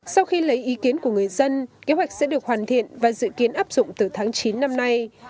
sau khi lấy ý kiến của người dân kế hoạch sẽ được hoàn thiện và dự kiến áp dụng từ tháng chín năm nay